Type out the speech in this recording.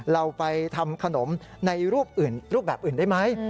เราไปทำขนมในรูปแบบอื่นได้ไหม